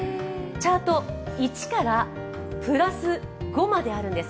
チャート１からプラス５まであるんです。